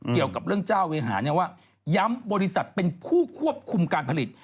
เกี่ยวกับเรื่องเจ้าเวหาเนี่ยว่าย้ำบริษัทเป็นผู้ควบคุมการผลิต